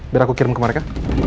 biar aku kirim ke mereka